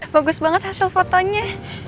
bagus banget hasil fotonya